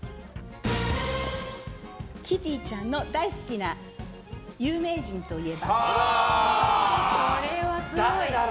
キティちゃんが大好きな有名人といえば？